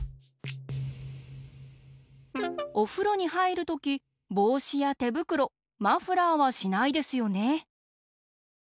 おふろにはいるときぼうしやてぶくろマフラーはしないですよね。